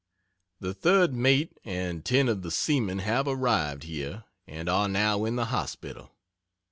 The Third Mate, and ten of the seamen have arrived here, and are now in the hospital.